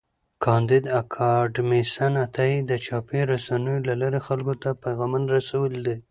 کانديد اکاډميسن عطایي د چاپي رسنیو له لارې خلکو ته پیغامونه رسولي دي.